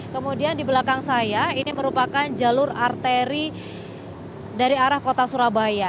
kemudian di belakang saya ini merupakan jalur arteri dari arah kota surabaya